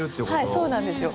はい、そうなんですよ。